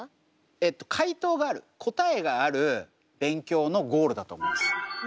えっと解答がある答えがある勉強のゴールだと思います。